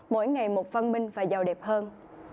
mỗi ngày một văn minh và giàu đẹp hơn